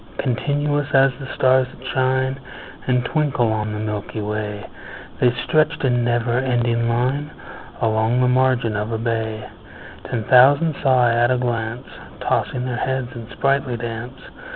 Continuous as the stars that shine And twinkle on the milky way, The stretched in never ending line Along the margin of a bay: Ten thousand saw I at a glance, Tossing their heads in sprightly dance.